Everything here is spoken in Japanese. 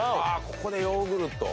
ここでヨーグルト。